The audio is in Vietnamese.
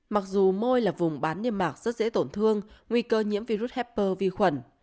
mặc dù môi là vùng bán niềm mạc rất dễ tổn thương nguy cơ nhiễm virus hepper vi khuẩn